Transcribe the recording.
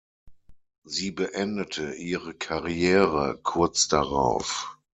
Sie beendete ihre Karriere kurz darauf.